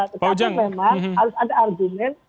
tetapi memang harus ada argumen